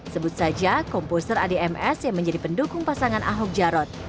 sebut saja komposer adms yang menjadi pendukung pasangan ahok jarot